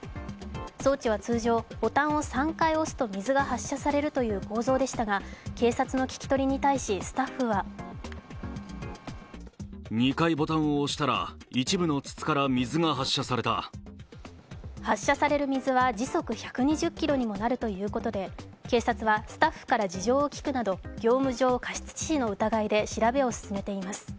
装置は通常、ボタンを３回押すと水が発射されるという構造でしたが警察の聞き取りに対し、スタッフは発射される水は時速１２０キロにもなるということで警察はスタッフから事情を聴くなど業務上過失致死の疑いで調べを進めています。